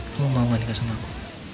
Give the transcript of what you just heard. kamu mau gak nikah sama aku